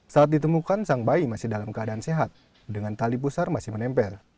saat ditemukan sang bayi masih dalam keadaan sehat dengan tali pusar masih menempel